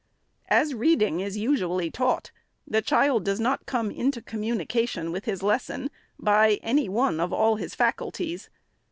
As reading is usually taught, the child does not come into communication with his lesson by any one of all his faculties.